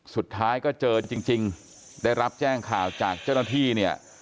สุดท้ายก็เจอจริงได้รับแจ้งข่าวจากเจ้าหน้าที่เนี่ย